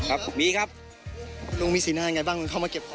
ไอลูกมีศีละอย่างไรบ้างไหนเข้ามาเก็บของ